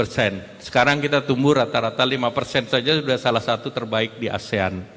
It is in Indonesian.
sekarang kita tumbuh rata rata lima persen saja sudah salah satu terbaik di asean